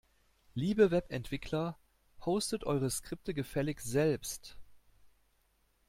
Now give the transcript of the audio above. Liebe Webentwickler, hostet eure Skripte gefälligst selbst!